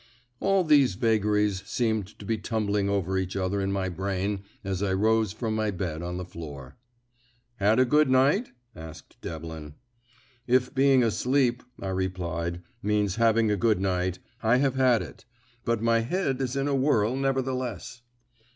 All these vagaries seemed to be tumbling over each other in my brain as I rose from my bed on the floor. "Had a good night?" asked Devlin. "If being asleep," I replied, "means having a good night, I have had it. But my head is in a whirl, nevertheless."